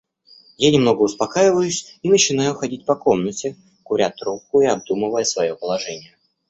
Я немного успокаиваюсь и начинаю ходить по комнате, куря трубку и обдумывая свое положение.